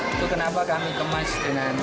itu kenapa kami kemas dengan